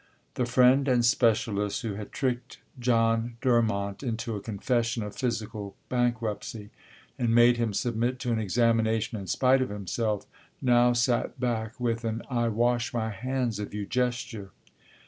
The friend and specialist who had tricked John Durmont into a confession of physical bankruptcy, and made him submit to an examination in spite of himself, now sat back with an "I wash my hands of you" gesture.